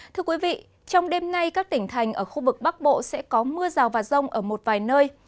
thưa quý vị trong đêm nay các tỉnh thành ở khu vực bắc bộ sẽ có mưa rào và rông ở một vài nơi